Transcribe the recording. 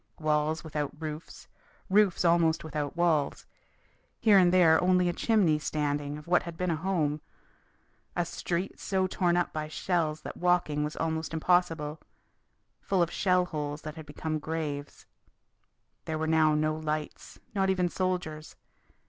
Walls without roofs, roofs almost without walls. Here and there only a chimney standing of what had been a home; a street so torn up by shells that walking was almost impossible full of shell holes that had become graves. There were now no lights, not even soldiers.